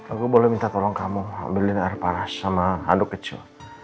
aku boleh minta tolong kamu ambilin air panas sama aduk kecil